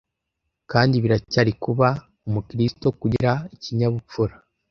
kandi biracyari kuba umukristo kugira ikinyabupfura